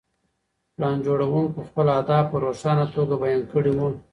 پلان جوړوونکو خپل اهداف په روښانه توګه بیان کړي وو.